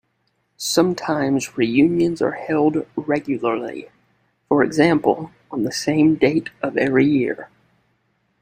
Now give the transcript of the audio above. Sometimes reunions are held regularly, for example on the same date of every year.